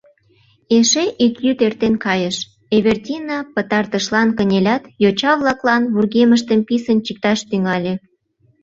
Эше ик йӱд эртен кайыш, Эвердина пытартышлан кынелят, йоча-влаклан вургемыштым писын чикташ тӱҥале.